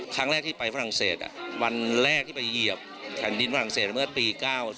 ครั้งแรกที่ไปฝรั่งเศสวันแรกที่ไปเหยียบแผ่นดินฝรั่งเศสเมื่อปี๙๔